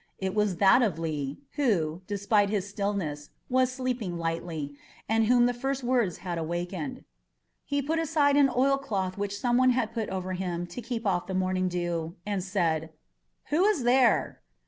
It was that of Lee, who, despite his stillness, was sleeping lightly, and whom the first few words had awakened. He put aside an oilcloth which some one had put over him to keep off the morning dew, and called: "Who is there?"